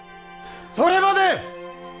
それまで！